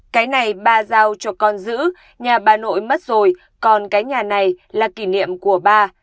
cái này ba giao cho con giữ nhà ba nội mất rồi còn cái nhà này là kỷ niệm của ba